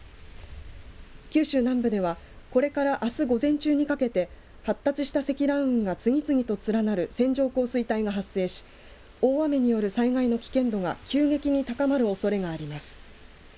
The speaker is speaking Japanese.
九州南部ではこれからあす午前中にかけて発達した積乱雲が次々と連なる線状降水帯が発生し大雨による災害の危険度が急激に高まるおそれがあります。